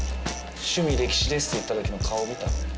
「趣味歴史です」って言った時の顔見た？